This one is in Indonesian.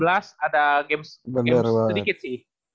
ada game sedikit sih